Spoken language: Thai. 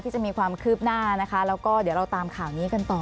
จะมีความคืบหน้านะคะแล้วก็เดี๋ยวเราตามข่าวนี้กันต่อ